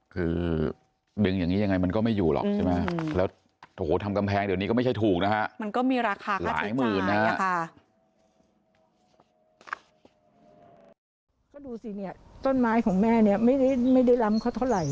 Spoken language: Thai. คือดึงอย่างนี้ยังไงมันก็ไม่อยู่หรอก